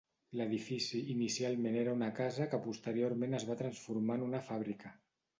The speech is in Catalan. L'edifici inicialment era una casa que posteriorment es va transformar en una fàbrica.